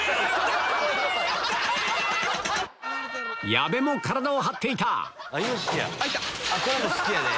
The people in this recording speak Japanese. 矢部も体を張っていた！